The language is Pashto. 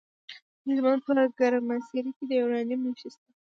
د هلمند په ګرمسیر کې د یورانیم نښې شته.